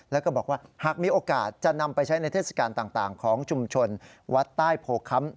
แล้วก็บอกว่าหากมีโอกาสจะนำไปใช้ในเทศกาลต่างของชุมชนวัดใต้โพค้ำ